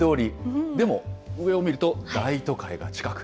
でも、上を見ると大都会が近く。